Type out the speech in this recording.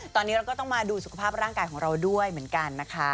ตอนนี้เราก็ต้องมาดูสุขภาพร่างกายของเราด้วยเหมือนกันนะคะ